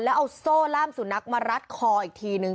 แล้วเอาโซ่ล่ามสุนัขมารัดคออีกทีนึง